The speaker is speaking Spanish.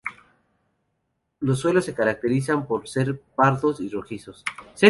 Los suelos se caracterizan por ser pardos y rojizos.